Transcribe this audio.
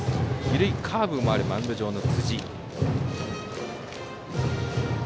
緩いカーブもあるマウンド上の辻。